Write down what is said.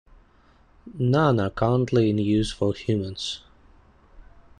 None are currently in use for humans.